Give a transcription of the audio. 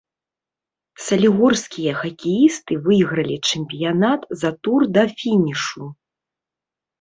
Салігорскія хакеісты выйгралі чэмпіянат за тур да фінішу.